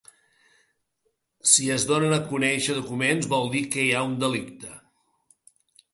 Si es donen a conèixer documents vol dir que hi ha un delicte.